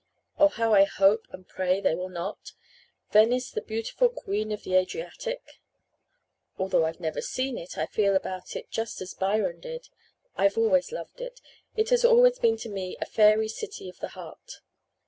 Oh, how I hope and pray they will not Venice the beautiful Queen of the Adriatic. Although I've never seen it I feel about it just as Byron did I've always loved it it has always been to me 'a fairy city of the heart.'